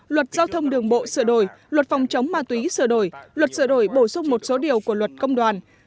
luật giao thông đường bộ sửa đổi luật phòng chống ma túy sửa đổi luật sửa đổi bổ sung một số điều của luật công đoàn